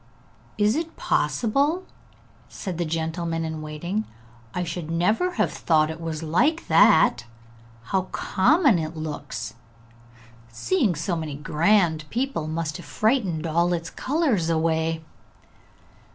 'Is it possible?' said the gentleman in waiting. 'I should never have thought it was like that. How common it looks! Seeing so many grand people must have frightened all its colours away.'